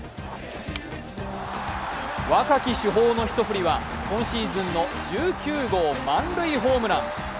若き主砲の一振りは今シーズンの１９号満塁ホームラン。